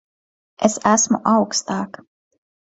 Es esmu augstāk.